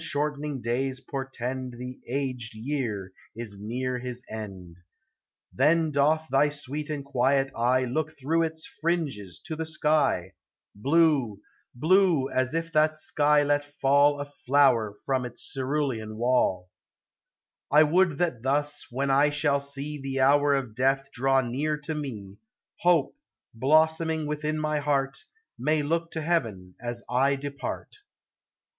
shortening days portend The aged Year is near his end. Then doth thy sweet and quiet eye Look through its fringes to the sky, Blue — blue — as if that sky let fall A flower from its cerulean wall. TREES: FLOWERS: PLANTS. 285 I would that thus, when I shall Bee The hour of death draw bear to me, Hope, blossoming within my heart, May look to heaven as I depart.